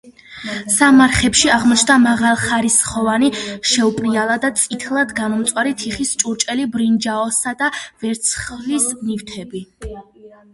სამარხებში აღმოჩნდა მაღალხარისხოვანი შავპრიალა და წითლად გამომწვარი თიხის ჭურჭელი, ბრინჯაოსა და ვერცხლის ნივთები.